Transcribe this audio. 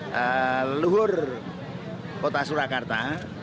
leluhur kota surakarta